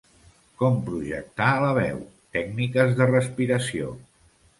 Com projectar la veu, tècniques de respiració.